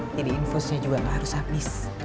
jadi infusnya juga gak harus habis